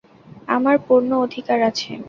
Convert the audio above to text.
আমার পূর্ণ অধিকার আছে!